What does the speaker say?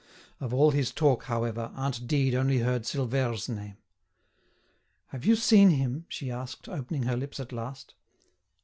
Of all his talk, however, aunt Dide only heard Silvère's name. "Have you seen him?" she asked, opening her lips at last.